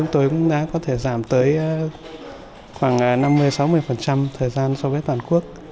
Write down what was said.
tôi cũng đã có thể giảm tới khoảng năm mươi sáu mươi thời gian so với toàn quốc